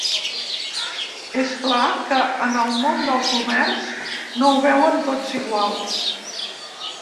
És clar que en el món del comerç no ho veuen tots igual.